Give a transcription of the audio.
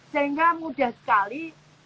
sehingga mudah sekali